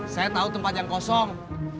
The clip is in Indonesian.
saya tahu tempat yang kosong